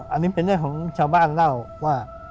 อันนี้เป็นเรื่องของชาวบ้านเล่าว่า